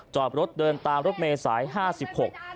จอบรถเดินตามรถเมษายน๕๖